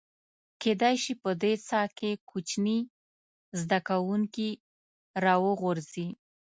کېدای شي په دې څاه کې کوچني زده کوونکي راوغورځي.